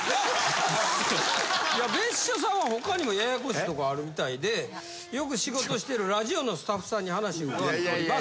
別所さんは他にもややこしいとこあるみたいでよく仕事しているラジオのスタッフさんに話を伺っております。